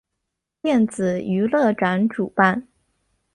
电子娱乐展主办。